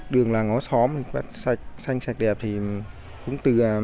đường là ngó xóm xanh sạch đẹp thì cũng từ nhà trường vào ra đến các thôn bản các buổi họp thôn để tuyên truyền